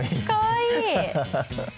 かわいい！